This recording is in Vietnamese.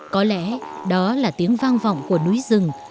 có lẽ đó là tiếng vang vọng của núi rừng